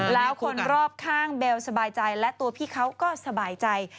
แล้วคนรอบข้างเบลสบายใจและตัวพี่เขาก็สบายใจ